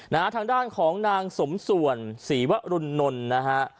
ทางด้านของนางสมส่วนศรีวรุนนลนะฮะ